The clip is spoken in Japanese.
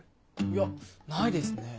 いやないですね。